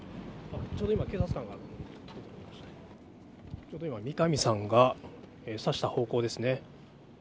ちょうど今、三上さんが指した方向ですね。